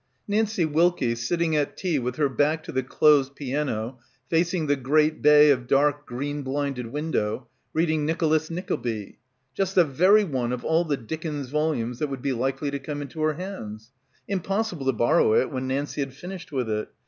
Nancie Wilkie, sitting at tea with her back to the closed piano facing the great bay of dark green blinded window, reading "Nicholas Nickle by." Just the very one of all the Dickens volumes that would be likely to come into her hands. Impossible to borrow it when Nancie had finished with it.